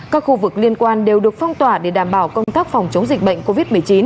các khu vực liên quan đều được phong tỏa để đảm bảo công tác phòng chống dịch bệnh covid một mươi chín